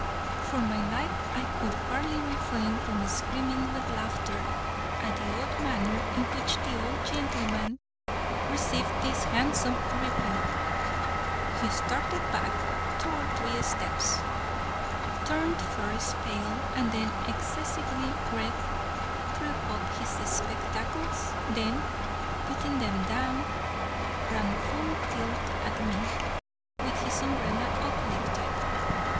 For my life I could hardly refrain from screaming with laughter at the odd manner in which the old gentleman received this handsome rebuke. He started back two or three steps, turned first pale and then excessively red, threw up his spectacles, then, putting them down, ran full tilt at me, with his umbrella uplifted.